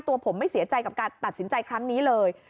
ตัวผมไม่เสียใจกับการตัดสินใจครั้งนี้เลย